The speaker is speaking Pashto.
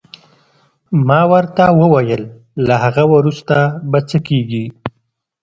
ما ورته وویل: له هغه وروسته به څه کېږي؟